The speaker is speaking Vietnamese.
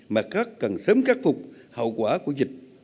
mặt khác cần sớm khắc phục hậu quả của dịch